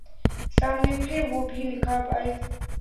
سامنے پھر وہ بے نقاب آئے